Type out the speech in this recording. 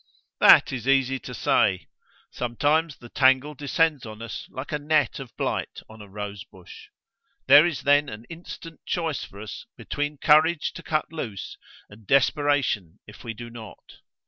That is easy to say: sometimes the tangle descends on us like a net of blight on a rose bush. There is then an instant choice for us between courage to cut loose, and desperation if we do not.